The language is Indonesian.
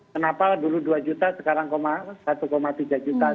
kenapa dulu dua juta sekarang satu tiga juta